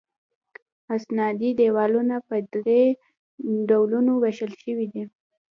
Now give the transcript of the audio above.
استنادي دیوالونه په درې ډولونو ویشل شوي دي